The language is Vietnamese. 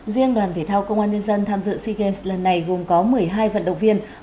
riêng đoàn thể thao công an nhân dân tham dự sea games lần này gồm có một mươi hai vận động viên